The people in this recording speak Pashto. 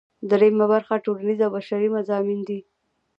دریمه برخه ټولنیز او بشري مضامین دي.